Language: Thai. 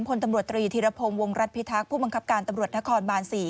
พลตำรวจตรีธีรพงศ์วงรัฐพิทักษ์ผู้บังคับการตำรวจนครบาน๔